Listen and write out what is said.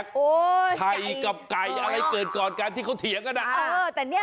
ไข่กับไก่อะไรเกิดก่อนการที่เขาเถียงกันอ่ะ